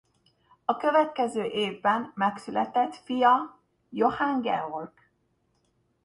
A következő évben megszületett fia Johann Georg.